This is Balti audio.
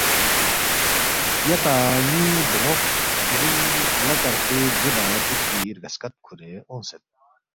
”یا تا ن٘ی بون٘و دِرنگ ہلہ کرفوے بُو لہ دُوکپی رگہ سکت کُھورے اونگسید“